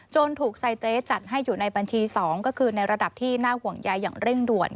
ถูกไซเตสจัดให้อยู่ในบัญชี๒ก็คือในระดับที่น่าห่วงใยอย่างเร่งด่วน